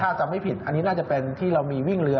ถ้าจำไม่ผิดอันนี้น่าจะเป็นที่เรามีวิ่งเรือ